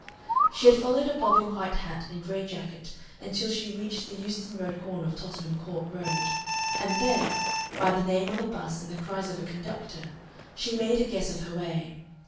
She had followed a bobbing white hat and gray jacket until she reached the Euston Road corner of Tottenham Court Road, and there, by the name on a bus and the cries of a conductor, she made a guess of her way.